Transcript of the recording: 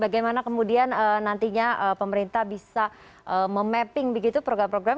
bagaimana kemudian nantinya pemerintah bisa memapping begitu program program